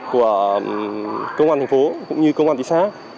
của công an thành phố cũng như công an thị xã